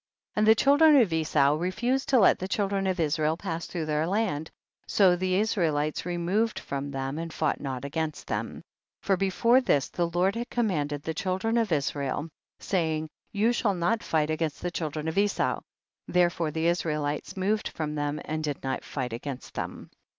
27. And the children of Esau re fused to let the children of Israel pass tlirough their land, so the Is raelites removed from them and fought not against them. 2S. For before this the Lord had commanded the children of Israel, saying, you shall not fight against the children of Esau, therefore the Is raelites removed from them and did not fight against tliem.